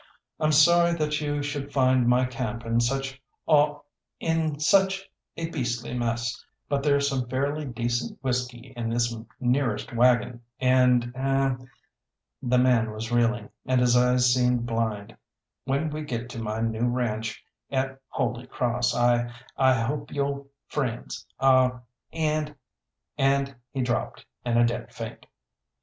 I'm sorry that you should find my camp in such aw in such a beastly mess, but there's some fairly decent whisky in this nearest waggon, and er " the man was reeling, and his eyes seemed blind, "when we get to my new ranche at Holy Cross I I hope you'll friends aw and " And he dropped in a dead faint.